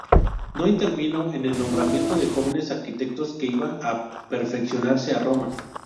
No intervino en el nombramiento de jóvenes arquitectos que iban a perfeccionarse a Roma.